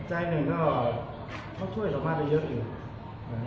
ใจหนึ่งเขาช่วยสามอัตรายังเยอะเลย